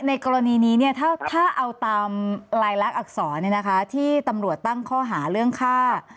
ในกรณีนี้ถ้าเอาตามลายลักษณอักษรที่ตำรวจตั้งข้อหาเรื่องฆ่า